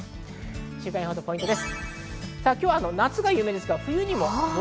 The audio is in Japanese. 週間予報とポイントです。